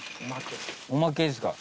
おまけですか？